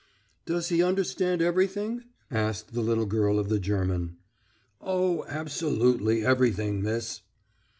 "Does he understand everything?" asked the little girl of the German. "Oh, absolutely everything, miss."